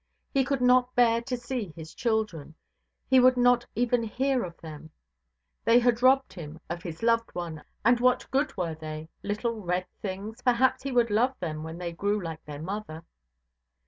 He could not bear to see his children, he would not even hear of them; "they had robbed him of his loved one, and what good were they? Little red things; perhaps he would love them when they grew like their mother".